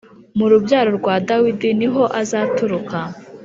Murubyaro rwa dawidi niho azaturuka